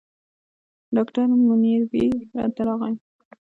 ډاکټر منیربې راته راغی.